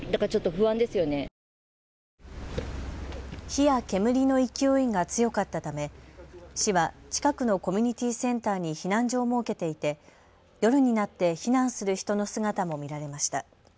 火や煙の勢いが強かったため市は近くのコミュニティーセンターに避難所を設けていて夜になって避難する人の姿も見られました。